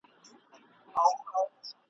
له هغه پیونده جوړ د ژوندون خوند کړي !.